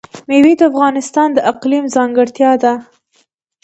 مېوې د افغانستان د اقلیم ځانګړتیا ده.